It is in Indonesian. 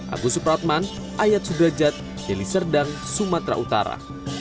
agus supratman ayat sudrajat jeliserdang sumatera utara